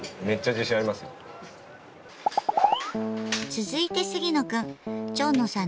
続いて杉野くん。